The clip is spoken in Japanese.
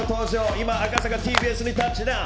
今、赤坂ＴＢＳにタッチダウン。